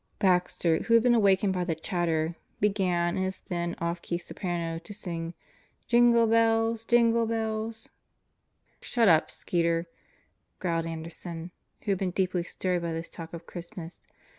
Baxter, who had been awakened by the chatter, began, in his thin, off key soprano, to sing: "Jingle bells, jingle bells ..." "For God's sake shut up, Skeeter," growled Anderson who had been deeply stirred by this talk of Christmas.